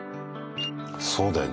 そうだよ